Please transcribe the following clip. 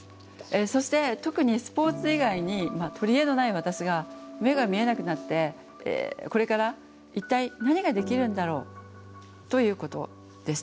そして特にスポーツ以外に取り柄のない私が目が見えなくなってこれから一体何ができるんだろうということでした。